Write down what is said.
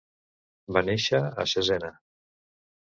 Va néixer a Cesena.